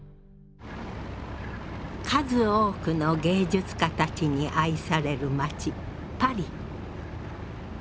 数多くの芸術家たちに愛される街パリ。